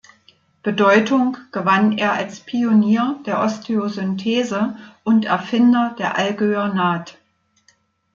Bedeutung gewann er als Pionier der Osteosynthese und Erfinder der Allgöwer-Naht.